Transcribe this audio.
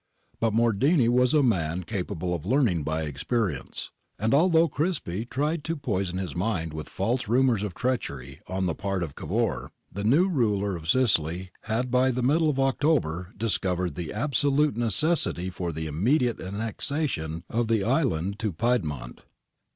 But Mordini was a man cap able of learning by experience, and although Crispi tried to poison his mind with false rumours of treachery on the part of Cavour,^ the new ruler of Sicily had b}' the middle of October discovered the absolute necessity for the immediate annexation of the island to Piedmont.